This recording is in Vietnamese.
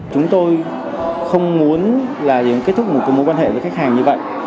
chúng tôi không muốn kết thúc mối quan hệ với khách hàng như vậy